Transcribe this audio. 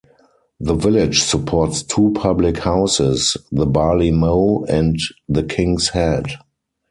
The village supports two public houses, the Barley Mow and the Kings Head.